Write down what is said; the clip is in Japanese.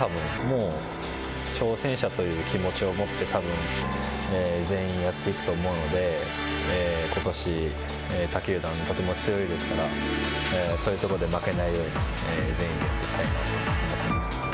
もう挑戦者という気持ちを持って、たぶん、全員やっていくと思うので、ことし、他球団、とても強いですから、そういうとこで負けないように、全員でやっていきたいなと思っています。